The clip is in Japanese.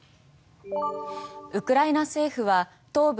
ウクライナ政府は東部